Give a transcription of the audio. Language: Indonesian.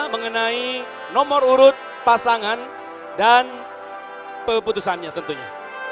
mengenai nomor urut pasangan dan keputusannya tentunya